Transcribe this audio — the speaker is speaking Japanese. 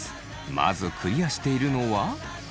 まずクリアしているのは。